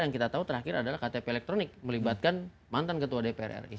yang kita tahu terakhir adalah ktp elektronik melibatkan mantan ketua dpr ri